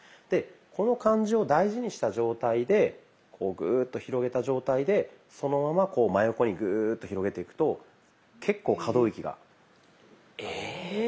でこの感じを大事にした状態でこうグーッと広げた状態でそのまま真横にグーッと広げていくと結構可動域が。え！